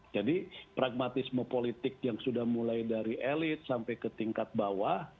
jadi pragmatisme politik yang sudah mulai dari elit sampai ke tingkat bawah